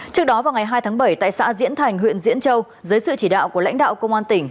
trước đó vào ngày hai tháng bảy tại xã diễn thành huyện diễn châu dưới sự chỉ đạo của lãnh đạo công an tỉnh